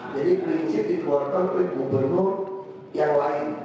jadi isi dikeluarkan oleh gubernur yang lain